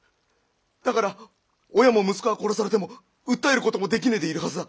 だから親も息子が殺されても訴えることもできねえでいるはずだ！